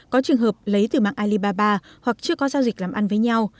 có trường hợp lấy từ mạng alibaba hoặc chưa có giao dịch làm ăn với nhau